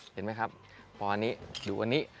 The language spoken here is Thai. เห็นไหมครับพออันนี้ดูอันนี้